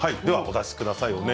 お出しください。